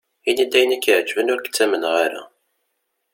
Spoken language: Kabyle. Ini-d ayen i ak-iɛeǧben, ur k-ttamneɣ ara.